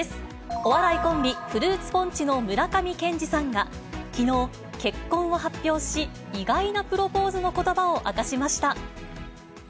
お笑いコンビ、フルーツポンチの村上健志さんがきのう、結婚を発表し、意外なプロポーズのことばを明かしました。